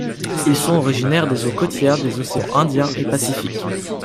Ils sont originaires des eaux côtières des océans Indien et Pacifique.